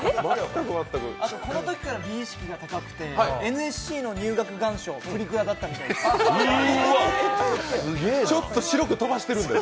このときから美意識が高くてＮＳＣの入学願書プリクラだったそうです。